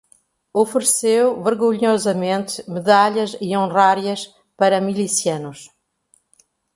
Ofereceu vergonhosamente medalhas e honrarias para milicianos